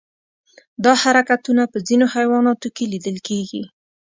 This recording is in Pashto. دا حرکتونه په ځینو حیواناتو کې لیدل کېږي.